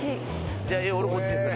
じゃあ俺こっちにする。